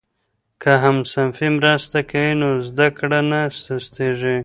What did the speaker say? که همصنفي مرسته کوي نو زده کړه نه سستېږي.